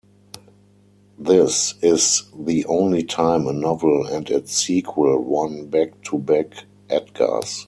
This is the only time a novel and its sequel won back-to-back Edgars.